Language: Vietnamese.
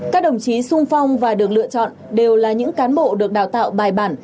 các đồng chí sung phong và được lựa chọn đều là những cán bộ được đào tạo bài bản